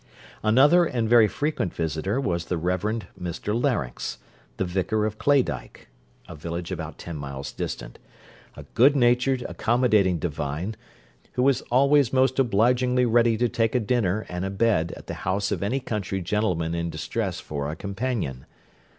Another and very frequent visitor, was the Reverend Mr Larynx, the vicar of Claydyke, a village about ten miles distant; a good natured accommodating divine, who was always most obligingly ready to take a dinner and a bed at the house of any country gentleman in distress for a companion.